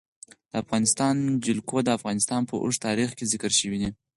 د افغانستان جلکو د افغانستان په اوږده تاریخ کې ذکر شوی دی.